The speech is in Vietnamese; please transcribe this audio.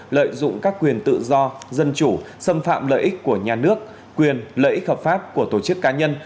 lợi dụng các quyền tự do dân chủ xâm phạm lợi ích của nhà nước quyền lợi ích hợp pháp của tổ chức cá nhân